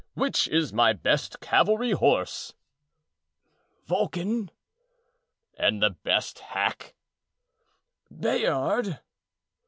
Which is my best cavalry horse?" "Vulcan." "And the best hack?" "Bayard."